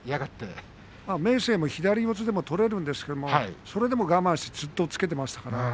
明生も左四つでも取れるんですがそれでも我慢して押っつけていました。